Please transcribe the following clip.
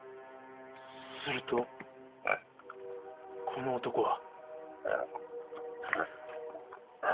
するとこの男は。